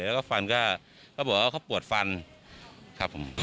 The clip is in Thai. แล้วก็ฟันก็เขาบอกว่าเขาปวดฟันครับผม